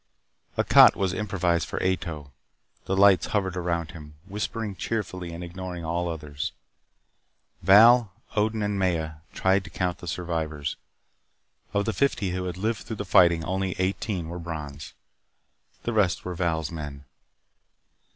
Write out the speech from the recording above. A cot was improvised for Ato. The lights hovered around him, whispering cheerfully and ignoring all others. Val, Odin and Maya tried to count the survivors. Of the fifty who had lived through the fighting, only eighteen were Brons. The rest were Val's men.